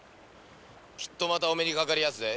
きっとまたお目にかかりますぜ。